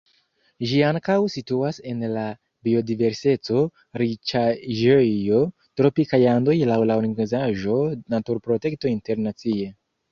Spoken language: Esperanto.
Ĝi ankaŭ situas en la biodiverseco-riĉaĵejo Tropikaj Andoj laŭ la organizaĵo Naturprotekto Internacie.